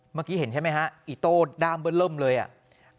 เมื่อกี้เห็นใช่ไหมฮะอีโต้ด้ามเบิ้ลเริ่มเลยอ่ะ